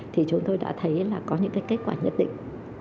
thì chúng tôi đã thấy là có những kết quả nhất định